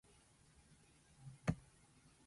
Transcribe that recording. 体育祭の雰囲気すき